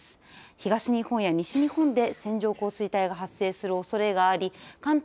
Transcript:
東日本や西日本で線状降水帯が発生するおそれがあり関東